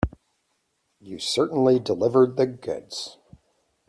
You certainly delivered the goods.